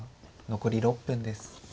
残り６分です。